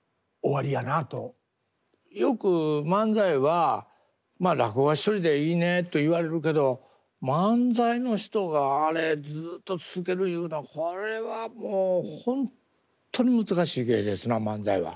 よく漫才はまあ落語は１人でいいねと言われるけど漫才の人があれずっと続けるいうのはこれはもうほんっとに難しい芸ですな漫才は。